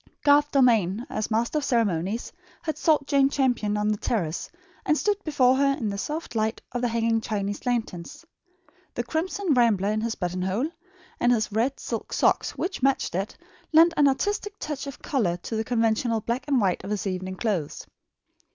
Garth Dalmain, as master of ceremonies, had sought Jane Champion on the terrace, and stood before her in the soft light of the hanging Chinese lanterns. The crimson rambler in his button hole, and his red silk socks, which matched it, lent an artistic touch of colour to the conventional black and white of his evening clothes.